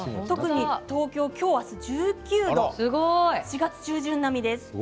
東京は今日は１９度、４月中旬並みです。